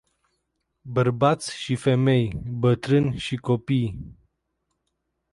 Bărbați și femei, bătrâni și copii.